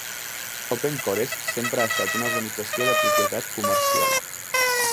OpenCores sempre ha estat una organització de propietat comercial.